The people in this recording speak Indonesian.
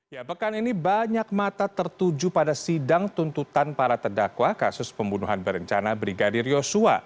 ya pekan ini banyak mata tertuju pada sidang tuntutan para terdakwa kasus pembunuhan berencana brigadir yosua